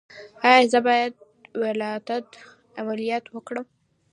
ایا زه باید د ولادت عملیات وکړم؟